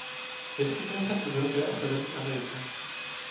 Vyskytuje se v Evropě a Severní Americe.